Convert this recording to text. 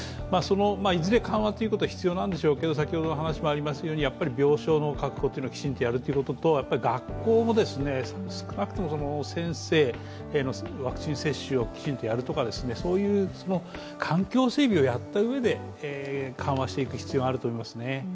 いずれ緩和ということは必要なんでしょうけれども、やっぱり病床の確保をきちんとやるということと、学校も、少なくとも先生、ワクチン接種をきちんとやるとか環境整備をやったうえで緩和していく必要があると思います。